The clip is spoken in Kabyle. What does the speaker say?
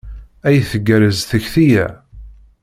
Ay tgerrez tekti-a!